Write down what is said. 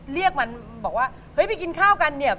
เรียกมันบอกว่าเฮ้ยไปกินข้าวกันเนี่ย